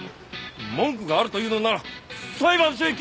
文句があるというのなら裁判所へ来なさい！